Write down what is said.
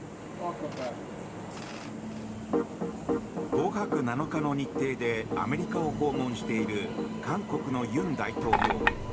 ５泊７日の日程でアメリカを訪問している韓国の尹大統領。